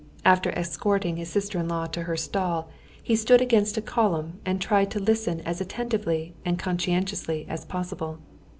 After escorting his sister in law to her stall, he stood against a column and tried to listen as attentively and conscientiously as possible.